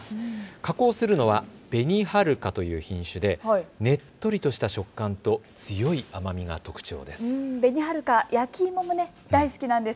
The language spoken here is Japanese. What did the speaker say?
加工するのはべにはるかという品種でねっとりとした食感と強い甘みが特徴です。